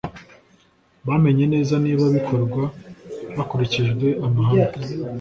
bamenye neza niba bikorwa hakurikijwe amahame